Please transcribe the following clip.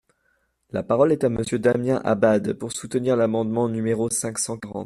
La parole est à Monsieur Damien Abad, pour soutenir l’amendement numéro cinq cent quarante.